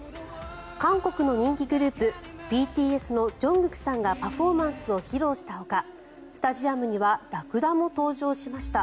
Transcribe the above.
韓国の人気グループ、ＢＴＳのＪＵＮＧＫＯＯＫさんがパフォーマンスを披露したほかスタジアムにはラクダも登場しました。